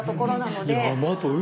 山と海。